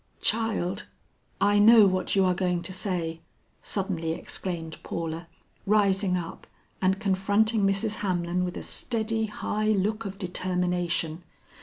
Child " "I know what you are going to say," suddenly exclaimed Paula, rising up and confronting Mrs. Hamlin with a steady high look of determination.